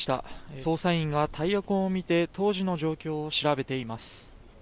捜査員がタイヤ痕を見て当時の状況を調べています。